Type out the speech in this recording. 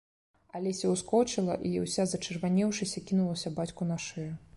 Алеся ўскочыла і, уся зачырванеўшыся, кінулася бацьку на шыю.